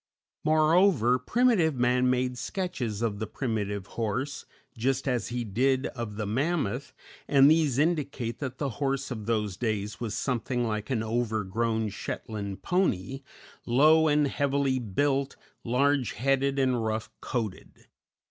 Moreover, primitive man made sketches of the primitive horse, just as he did of the mammoth, and these indicate that the horse of those days was something like an overgrown Shetland pony, low and heavily built, large headed and rough coated.